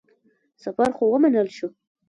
سفر خو ومنل شو.